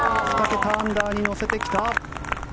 ２桁アンダーに乗せてきた！